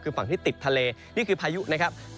คือฝั่งที่ติดทะเลนี่คือพายุนะครับ